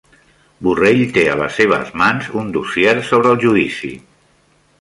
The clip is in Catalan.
Borrell té a les seves mans un dossier sobre el judici